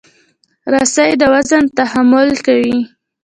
رسۍ د وزن تحمل کوي.